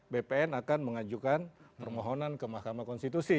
bpn akan mengajukan permohonan ke mahkamah konstitusi